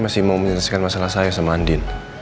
masih mau menyelesaikan masalah saya sama andin